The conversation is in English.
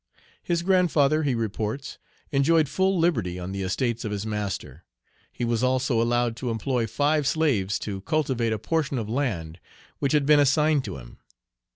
His grandfather, he reports, enjoyed full liberty on the estates of his master. He was also allowed to employ five slaves to cultivate a portion of land which had been assigned to him.